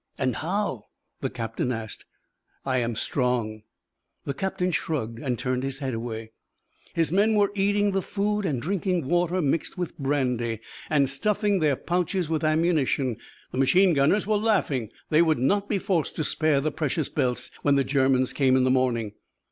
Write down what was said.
"And how?" the captain asked. "I am strong." The captain shrugged and turned his head away. His men were eating the food, and drinking water mixed with brandy, and stuffing their pouches with ammunition. The machine gunners were laughing. They would not be forced to spare the precious belts when the Germans came in the morning.